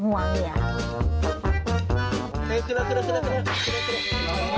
ย่าดาวเก่าอีกย้า